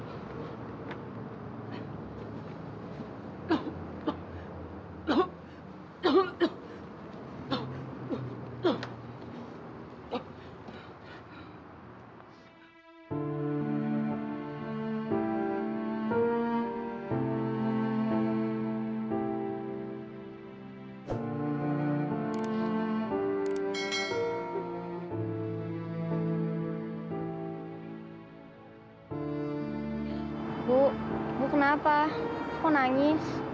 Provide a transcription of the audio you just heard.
ibu ibu kenapa kok nangis